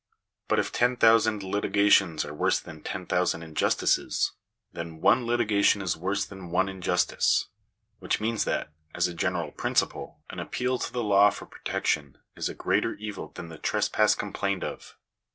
But if ten thousand litigations are worse than ten thousand injus s 2 Digitized by VjOOQIC 260 THE DUTY OF THE STATE. tices, then one litigation is worse than one injustice. Which means that, as a general principle, an appeal to the law for protection is a greater evil than the trespass complained of.